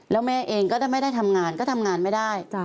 แล้วแม่เองก็ไม่ได้ทำงานก็ทำงานไม่ได้